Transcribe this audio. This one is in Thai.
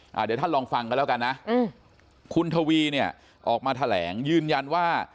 เดี๋ยวท่านลองฟังกันแล้วกันนะอืมคุณทวีเนี่ยออกมาแถลงยืนยันว่า